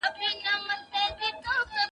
خارښت ناراحتي جوړوي.